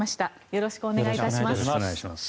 よろしくお願いします。